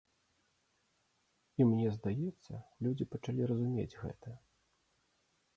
І мне здаецца, людзі пачалі разумець гэта.